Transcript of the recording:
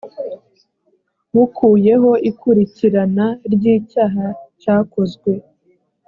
bukuyeho ikurikirana ry icyaha cyakozwe